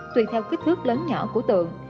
tùy theo kích thước lớn nhỏ của tượng